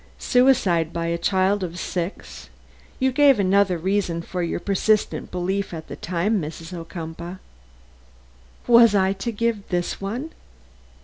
"Suicide by a child of six! You gave another reason for your persistent belief, at the time, Mrs. Ocumpaugh." "Was I to give this one?"